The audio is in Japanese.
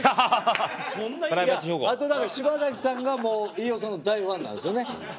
柴崎さんが、飯尾さんの大ファンなんですよね。